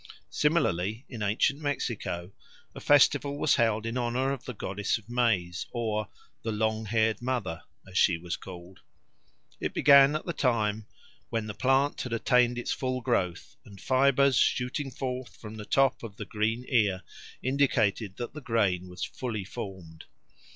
Similarly, in ancient Mexico a festival was held in honour of the goddess of maize, or "the long haired mother," as she was called. It began at the time "when the plant had attained its full growth, and fibres shooting forth from the top of the green ear indicated that the grain was fully formed.